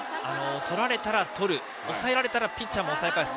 とられたらとる、抑えられたらピッチャーも抑え返す。